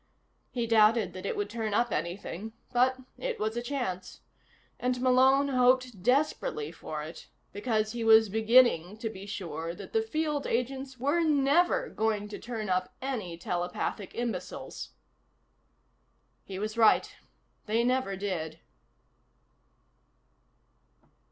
He doubted that it would turn up anything, but it was a chance. And Malone hoped desperately for it, because he was beginning to be sure that the field agents were never going to turn up any telepathic imbeciles. He was right. They never did.